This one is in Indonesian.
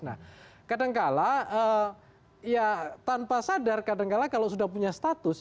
nah kadangkala ya tanpa sadar kadangkala kalau sudah punya status